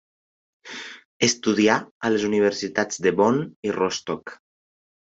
Estudià a les universitats de Bonn i Rostock.